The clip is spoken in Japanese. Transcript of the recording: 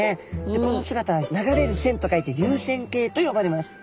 でこの姿は流れる線と書いて流線形と呼ばれます。